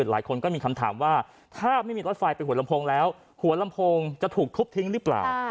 หลายคนก็มีคำถามว่าถ้าไม่มีรถไฟไปหัวลำโพงแล้วหัวลำโพงจะถูกทุบทิ้งหรือเปล่า